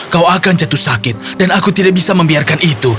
kau akan jatuh sakit dan aku tidak bisa membiarkan itu